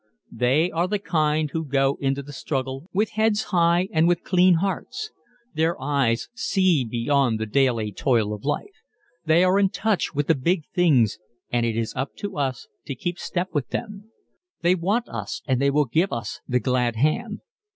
They are the kind who go into the struggle with heads high and with clean hearts. Their eyes see beyond the daily toil of life. They are in touch with the big things and it is up to us to keep step with them. They want us and they will give us the "glad hand."